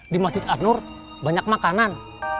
di masjid an nur banyak makanan